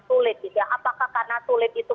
sulit gitu ya apakah karena sulit itu